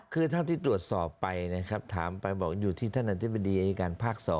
คือเท่าที่ตรวจสอบไปนะครับถามไปบอกอยู่ที่ท่านอธิบดีอายการภาค๒